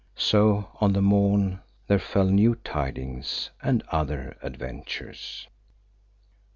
So on the morn there fell new tidings and other adventures.